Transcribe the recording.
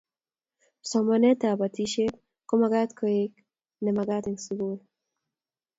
Somanet ab batishet ko magat keyai koek ne magat eng sukul